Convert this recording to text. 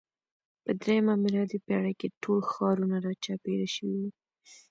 په درېیمه میلادي پېړۍ کې ټول ښارونه راچاپېر شوي وو.